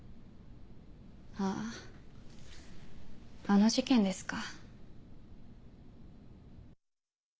あぁあの事件ですか。